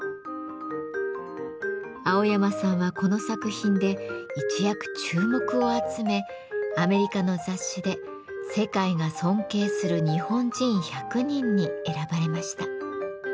蒼山さんはこの作品で一躍注目を集めアメリカの雑誌で「世界が尊敬する日本人１００人」に選ばれました。